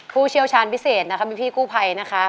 ผู้เชี่ยวชาญพิเศษนะคะพี่กู้ภัยนะคะ